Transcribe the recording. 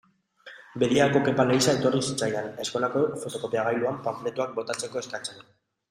Bediako Kepa Leiza etorri zitzaidan, eskolako fotokopiagailuan panfletoak botatzeko eskatzen.